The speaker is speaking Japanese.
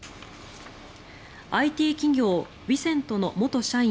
ＩＴ企業、ヴィセントの元社員